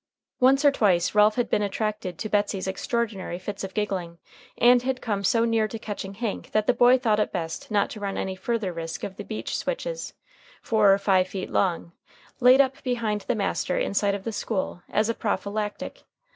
Once or twice Ralph had been attracted to Betsey's extraordinary fits of giggling, and had come so near to catching Hank that the boy thought it best not to run any further risk of the beech switches, four or five feet long, laid up behind the master in sight of the school as a prophylactic.